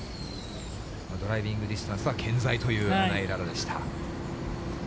ドライビングディスタンスは健在という穴井詩でした。